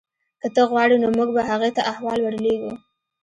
که ته غواړې نو موږ به هغې ته احوال ورلیږو